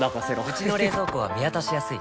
うちの冷蔵庫は見渡しやすい